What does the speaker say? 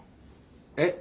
えっ？